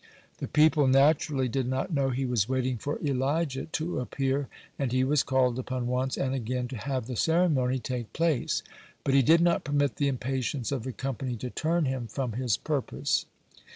The people naturally did not know he was waiting for Elijah to appear, and he was called upon once and again to have the ceremony take place. But he did not permit the impatience of the company to turn him from his purpose.